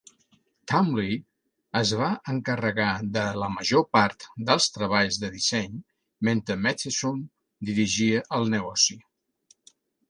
Townley es va encarregar de la major part dels treballs de disseny mentre Matheson dirigia el negoci.